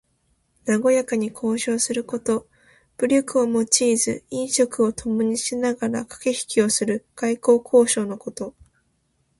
なごやかに交渉すること。武力を用いず飲食をともにしながらかけひきをする外交交渉のこと。